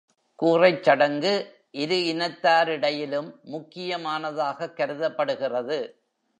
கூறைச் சடங்கு, இரு இனத்தாரிடையிலும் முக்கிய மானதாகக் கருதப்படுகிறது.